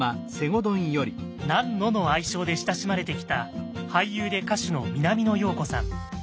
「ナンノ」の愛称で親しまれてきた俳優で歌手の南野陽子さん。